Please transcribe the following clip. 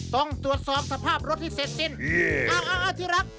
ต้องตรวจสอบสภาพรถที่เสร็จจิอ้าวแล้วทีรัก